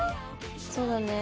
そうだね。